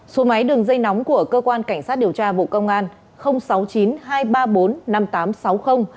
số máy đường dây nóng của cơ quan cảnh sát điều tra bộ công an